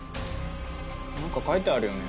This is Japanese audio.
何か書いてあるよね。